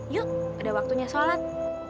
yuk udah waktunya sholat